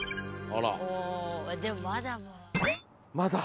あでもまだまだ。